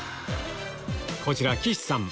こちら岸さん